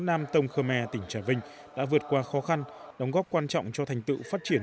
nam tông khơ me tỉnh trà vinh đã vượt qua khó khăn đóng góp quan trọng cho thành tựu phát triển